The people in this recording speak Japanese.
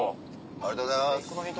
ありがとうございます。